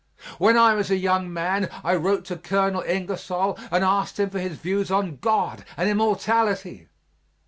When I was a young man I wrote to Colonel Ingersoll and asked him for his views on God and immortality.